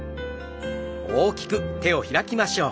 大きく開きましょう。